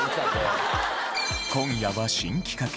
今夜は新企画。